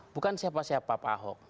bukan siapa siapa pak ahok